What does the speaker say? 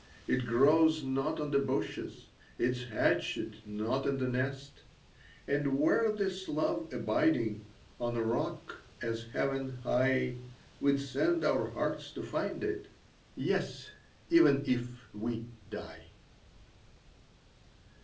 It grows not on the bushes, It's hatched not in the nest; And were this love abiding On rocks as heaven high, We'd send our hearts to find it, Yes, even if we die.